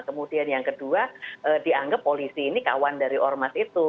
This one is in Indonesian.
kemudian yang kedua dianggap polisi ini kawan dari ormas itu